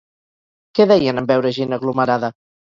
Què deien en veure gent aglomerada?